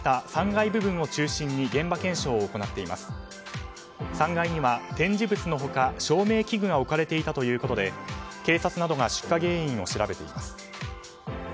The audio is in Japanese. ３階には、展示物の他照明器具が置かれていたということで警察などが出火原因を調べています。